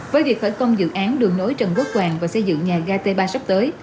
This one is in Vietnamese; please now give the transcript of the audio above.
với việc khởi công dự án đường nối trần quốc hoàng và xây dựng nhà ga t ba sắp tới